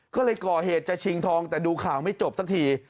ก็เลยก่อเหตุจะชิงทองแต่ดูข่าวไม่จบสักที